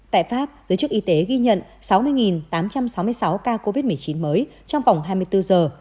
tại pháp giới chức y tế ghi nhận sáu mươi tám trăm sáu mươi sáu ca covid một mươi chín mới trong vòng hai mươi bốn giờ